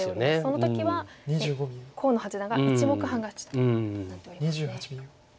その時は河野八段が１目半勝ちとなっておりますね。